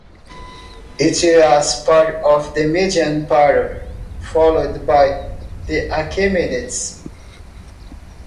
It was part of the Median Empire followed by the Achaemenids.